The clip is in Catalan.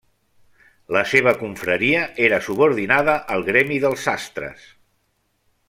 La seva confraria era subordinada al gremi dels sastres.